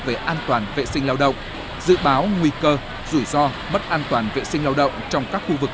về an toàn vệ sinh lao động dự báo nguy cơ rủi ro mất an toàn vệ sinh lao động trong các khu vực